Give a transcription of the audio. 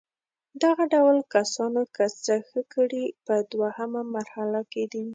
دغه ډول کسانو که څه ښه کړي په دوهمه مرحله کې دي.